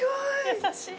優しい。